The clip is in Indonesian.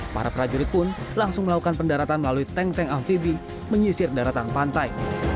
para prajurit pun langsung melakukan pendaratan melalui tank tank amfibi menyisir daratan pantai